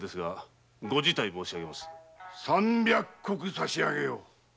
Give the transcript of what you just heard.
三百石さしあげよう。